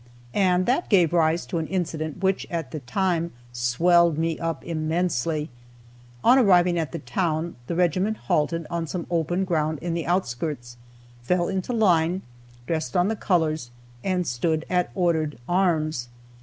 And that gave rise to an incident which, at the time, swelled me up immensely. On arriving at the town, the regiment halted on some open ground in the outskirts, fell into line, dressed on the colors, and stood at ordered arms.